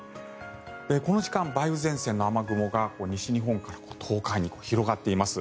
この時間、梅雨前線の雨雲が西日本から東海に広がっています。